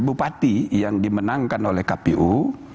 bupati yang dimenangkan oleh kpu